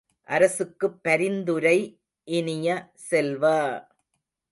அரசுக்குப் பரிந்துரை இனிய செல்வ!